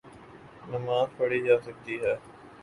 نماز پڑھی جاسکتی ہے۔